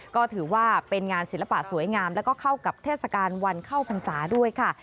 ก็ถือว่าเป็นงานศิลปะสวยงามแล้วก็เข้ากับเทศกาลวันเข้าพรรษาด้วยค่ะ